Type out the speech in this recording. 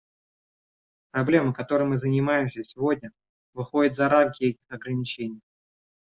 Проблема, которой мы занимаемся сегодня, выходит за рамки этих ограничений.